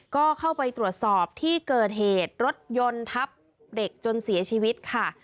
ก็เข้าไปตรวจสอบที่เกิดเหตุรถยนต์ทับเด็กจนเสียชีวิตค่ะ